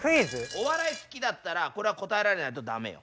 お笑い好きだったらこれは答えられないと駄目よ。